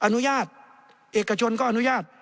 อนุญาตเอกชนก็อนุญาต